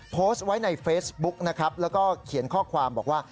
โพสต์ไว้ในเฟซบุ๊กนะครับแล้วก็เขียนข้อความบอกว่า